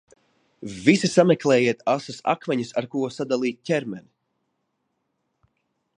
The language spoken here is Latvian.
Visi sameklējiet asus akmeņus, ar ko sadalīt ķermeni!